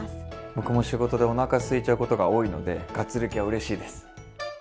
僕も仕事でおなかすいちゃうことが多いのでがっつり系はうれしいです。